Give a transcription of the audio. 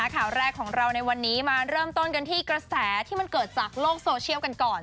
ข่าวแรกของเราในวันนี้มาเริ่มต้นกันที่กระแสที่มันเกิดจากโลกโซเชียลกันก่อน